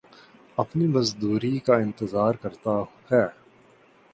اپنی مزدوری کا انتظار کرتا ہے